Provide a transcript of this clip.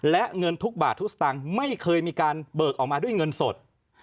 และเงินทุกบาททุกสตางค์ไม่เคยมีการเบิกออกมาด้วยเงินสด